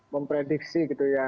memprediksi gitu ya